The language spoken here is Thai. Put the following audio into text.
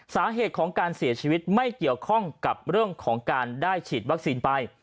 สาเหตุของการเสียชีวิตไม่เกี่ยวข้องกับเรื่องของการได้ฉีดวัคซีนไป